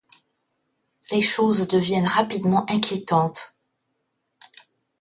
Les choses deviennent rapidement inquiétantes...